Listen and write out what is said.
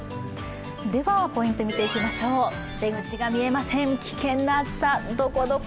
では、ポイント見ていきましょう出口が見えません、危険な暑さどこどこ？